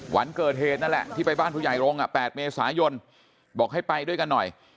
วันเกิดเหตุนั่นแหละที่ไปบ้านผู้ใหญ่รงค์๘เมษายนบอกให้ไปด้วยกันหน่อย